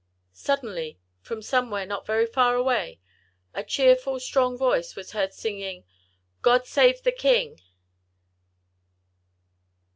Suddenly from somewhere, not very far away, a cheerful, strong voice was heard singing "God save the King!"